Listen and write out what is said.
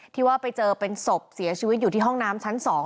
ที่ว่าไปเจอเป็นศพเสียชีวิตอยู่ที่ห้องน้ำชั้น๒